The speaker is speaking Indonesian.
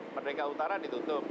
merdeka utara ditutup